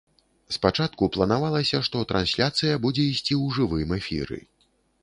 Спачатку планавалася, што трансляцыя будзе ісці ў жывым эфіры.